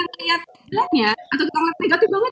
ngayat sebenarnya atau tetangga negatif banget